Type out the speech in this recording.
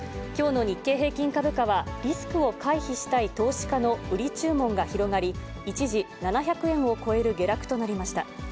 きょうの日経平均株価はリスクを回避したい投資家の売り注文が広がり、一時、７００円を超える下落となりました。